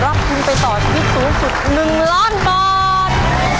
รับทุนไปต่อชีวิตสูงสุด๑ล้านบาท